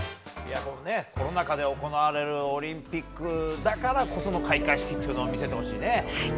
コロナ禍で行われるオリンピックだからこその開会式というのを見せてほしいね。